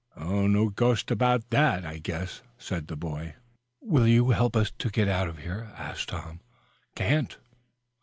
"No ghost about that, I guess," said the boy. "Will you help us to get out of here?" asked Tom. "Can't."